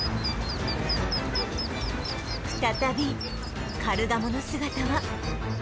再びカルガモの姿は